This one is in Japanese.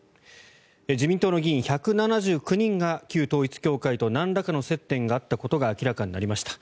自民党の議員１７９人が旧統一教会となんらかの接点があったことが明らかになりました。